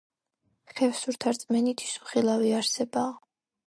ხევსურთა რწმენით ის უხილავი არსებაა.